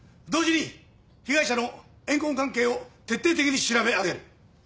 同時に被害者の怨恨関係を徹底的に調べ上げる。